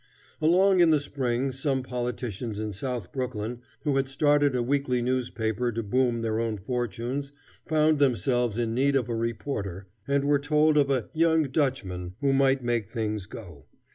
Along in the spring some politicians in South Brooklyn who had started a weekly newspaper to boom their own fortunes found themselves in need of a reporter, and were told of a "young Dutchman" who might make things go.